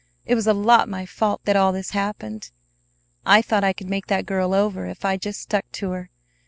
It was a lot my fault that all this happened. I thought I could make that girl over if I just stuck to her.